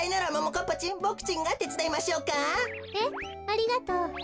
ありがとう。